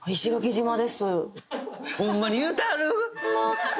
ホンマに言うてはる⁉